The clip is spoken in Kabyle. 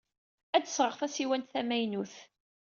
Ad d-sɣeɣ tasiwant d tamaynut.